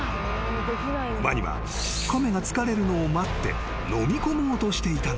［ワニは亀が疲れるのを待ってのみ込もうとしていたのだ］